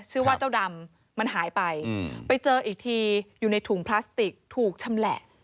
ชื่อว่าเจ้าดำมันหายไปไปเจออีกทีอยู่ในถุงพลาสติกถูกชำแหละ